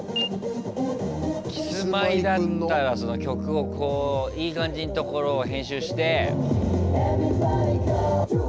キスマイだったらその曲をいい感じんところを編集して。